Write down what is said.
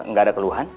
gak ada keluhan